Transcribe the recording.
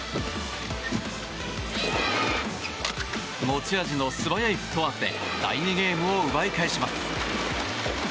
持ち味の素早いフットワークで第２ゲームを奪い返します。